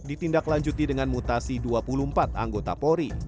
ditindaklanjuti dengan mutasi dua puluh empat anggota polri